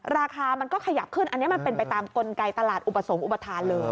ราคามันก็ขยับขึ้นอันนี้มันเป็นไปตามกลไกตลาดอุปสรรคอุปทานเลย